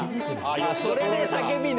それで叫びね。